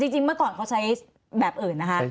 จริงเมื่อก่อนเขาใช้แบบอื่นนะคะ